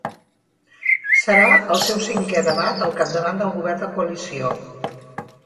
Serà el seu cinquè debat al capdavant del govern de coalició.